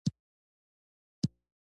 هغه وویل چې روسان به چا ته رشوت ورکړي؟